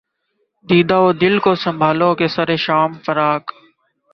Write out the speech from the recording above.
دیدہ و دل کو سنبھالو کہ سر شام فراق